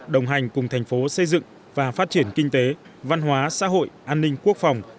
đồng hành cùng thành phố xây dựng và phát triển kinh tế văn hóa xã hội an ninh quốc phòng